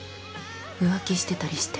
浮気してたりして。